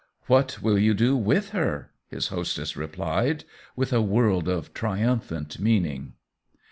" What will you do with her?" his hostess replied, with a world of triumphant mean ing.